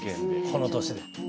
この年で。